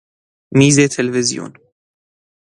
میز تلوزیون